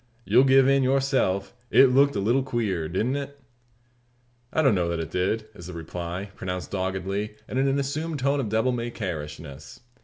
You'll give in, yourself, it looked a leetle queer; didn't it?" "I don't know that it did," is the reply, pronounced doggedly, and in an assumed tone of devil may care ishness.